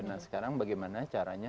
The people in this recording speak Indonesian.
nah sekarang bagaimana caranya